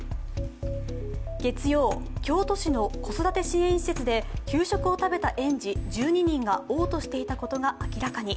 月曜、京都市の子育て支援施設で給食を食べた園児１２人がおう吐していたことが明らかに。